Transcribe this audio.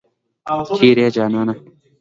جبل سحابه کې دولس زره کلن قبرستان وموندل شو.